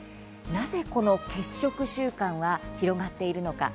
なぜ、この欠食習慣は広がっているのか。